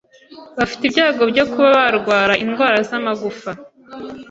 bafite ibyago byo kuba barwara indwara z’amagufa